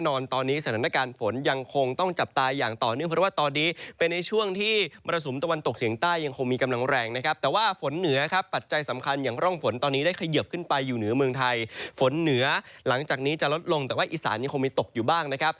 หลังจากนี้จะลดลงแต่ว่าอิสานยังคงมีตกอยู่บ้างนะ